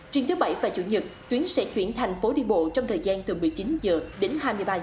trên thứ bảy và chủ nhật tuyến sẽ chuyển thành phố đi bộ trong thời gian từ một mươi chín h đến hai mươi ba h